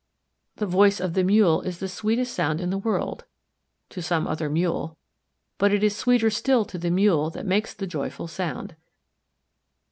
The voice of the Mule is the sweetest sound in the world to some other Mule. But it is sweeter still to the Mule that makes the joyful sound.